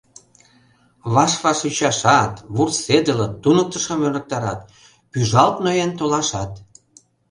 Ваш-ваш ӱчашат, вурседылыт, туныктышым ӧрыктарат, пӱжалт-ноен толашат.